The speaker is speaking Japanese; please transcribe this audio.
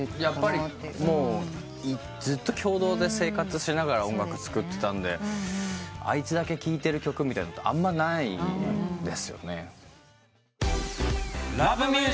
やっぱりもうずっと共同で生活しながら音楽作ってたんであいつだけ聴いてる曲ってあんまないですよね。